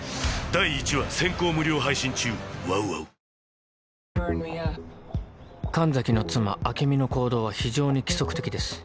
はじまる神崎の妻朱美の行動は非常に規則的です。